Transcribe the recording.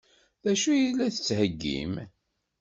D acu i la d-tettheggim?